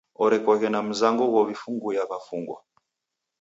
Orekoghe na mzango ghow'ifunguya w'afungwa.